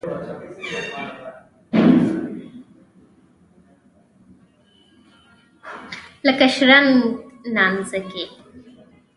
لکه شرنګ نانځکې.